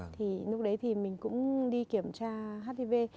thì lúc đấy thì mình cũng đi kiểm tra hát đi vê